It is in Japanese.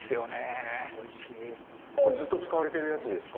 これずっと使われているやつですか？